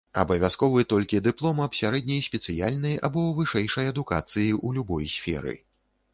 Абавязковы толькі дыплом аб сярэдняй спецыяльнай або вышэйшай адукацыі ў любой сферы.